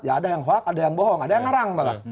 ya ada yang hoak ada yang bohong ada yang ngarang